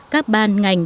các ban ngành